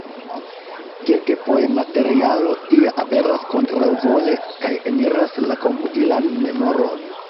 Kelkfoje materialo tia aperas kontraŭvole kaj eniras la komputilan memoron.